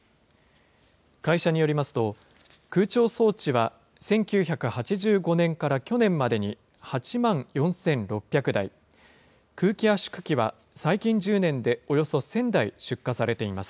会社によりますと、空調装置は１９８５年から去年までに８万４６００台、空気圧縮機は最近１０年でおよそ１０００台出荷されています。